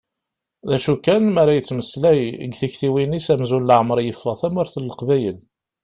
D acu kan mi ara yettmeslay, deg tiktiwin-is amzun leɛmer yeffeɣ tamurt n Leqbayel.